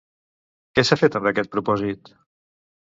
Què s'ha fet amb aquest propòsit?